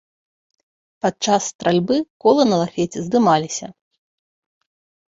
Падчас стральбы колы на лафеце здымаліся.